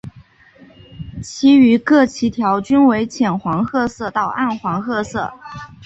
其余各鳍条均为浅黄褐色到暗黄褐色。